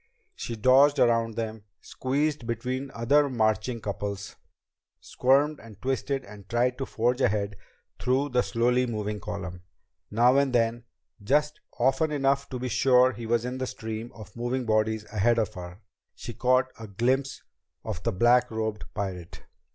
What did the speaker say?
She dodged around them, squeezed between other marching couples, squirmed and twisted and tried to forge ahead through the slowly moving column. Now and then, just often enough to be sure he was in the stream of moving bodies ahead of her, she caught a swift glimpse of the black robed pirate.